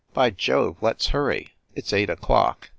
By Jove, let s hurry it s eight o clock.